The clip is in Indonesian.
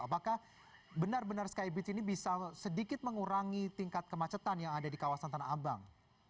apakah benar benar skybridge ini bisa sedikit mengurangi tingkat kemacetan yang ada di kawasan tanah abang